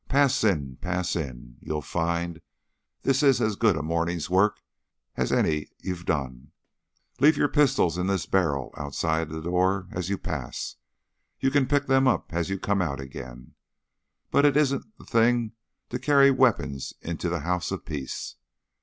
"Pass in; pass in. You'll find this is as good a morning's work as any you've done. Leave your pistols in this barrel outside the door as you pass; you can pick them out as you come out again, but it isn't the thing to carry weapons into the house of peace."